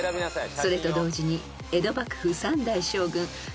［それと同時に］